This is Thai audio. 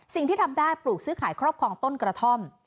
สิ่งที่ทำได้ปลูกซื้อขายครอบครองต้นกระท่อม